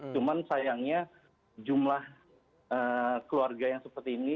cuma sayangnya jumlah keluarga yang seperti ini